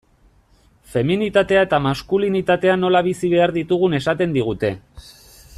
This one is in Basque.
Feminitatea eta maskulinitatea nola bizi behar ditugun esaten digute.